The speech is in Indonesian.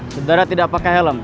sedara tidak pakai helm